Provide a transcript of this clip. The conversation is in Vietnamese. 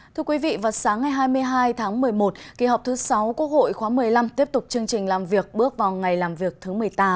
thưa quý vị vào sáng ngày hai mươi hai tháng một mươi một kỳ họp thứ sáu quốc hội khóa một mươi năm tiếp tục chương trình làm việc bước vào ngày làm việc thứ một mươi tám